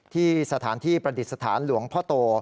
ที่สถานที่ประดิษฐานหลวงพ่อโต